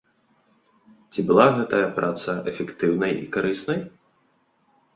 Ці была гэтая праца эфектыўнай і карыснай?